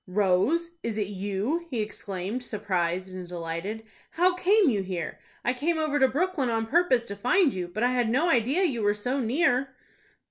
"Rose, is it you?" he exclaimed, surprised and delighted. "How came you here? I came over to Brooklyn on purpose to find you; but I had no idea you were so near."